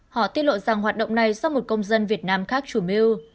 họ tiết lộ rằng hoạt động này do một công dân việt nam khác chủ mưu